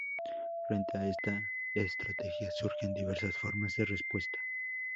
Frente a esta estrategia surgen diversas formas de respuesta.